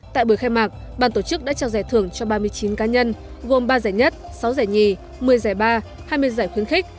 tại buổi khai mạc bàn tổ chức đã trao giải thưởng cho ba mươi chín cá nhân gồm ba giải nhất sáu giải nhì một mươi giải ba hai mươi giải khuyến khích